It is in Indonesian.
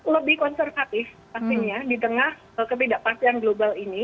lebih konservatif pastinya di tengah ketidakpastian global ini